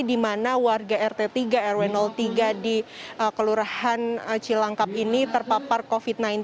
di mana warga rt tiga rw tiga di kelurahan cilangkap ini terpapar covid sembilan belas